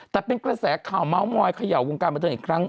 แต่เป็นกระแสขาวเม้าม้อยขยัววงกลางไปถึงอีกครั้ง